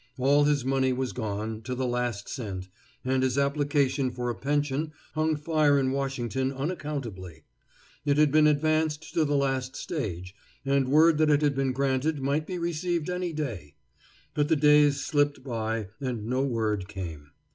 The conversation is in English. All his money was gone, to the last cent, and his application for a pension hung fire in Washington unaccountably. It had been advanced to the last stage, and word that it had been granted might be received any day. But the days slipped by and no word came.